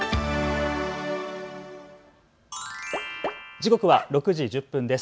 時刻は６時１０分です。